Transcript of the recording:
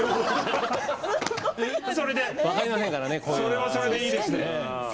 それはそれでいいですね。